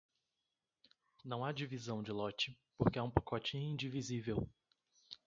Não há divisão de lote porque é um pacote indivisível.